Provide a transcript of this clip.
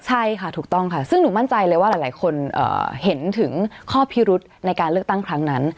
ใช่ค่ะถูกต้องค่ะซึ่งหนูมั่นใจเลยว่าหลายคนเห็นถึงข้อพิรุธในการเลือกตั้งครั้งนั้น